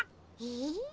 え？